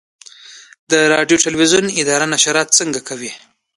د راډیو تلویزیون اداره نشرات څنګه کوي؟